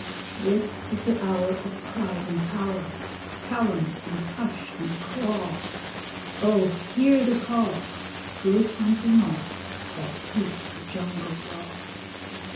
This is the hour of pride and power, Talon and tush and claw. Oh hear the call! Good hunting all That keep the Jungle Law!